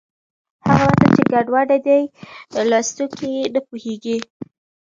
هغه متن چې ګډوډه دی، لوستونکی یې نه پوهېږي.